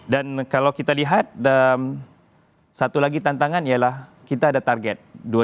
dan kalau kita lihat satu lagi tantangan yalah kita ada target